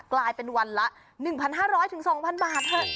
กลายเป็นวันละ๑๕๐๐ถึง๒๐๐๐บาท